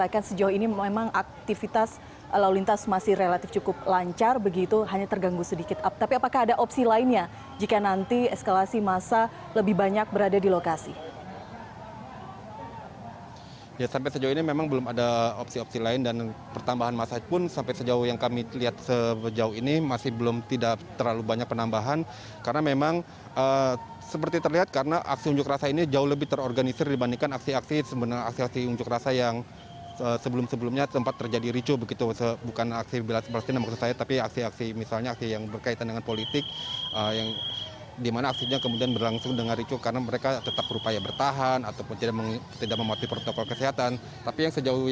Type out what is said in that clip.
aksi simpatik juga dilakukan dengan menggalang dana dari masa yang berkumpul untuk disumbangkan kepada rakyat palestina terutama yang menjadi korban peperangan